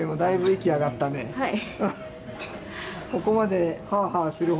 はい。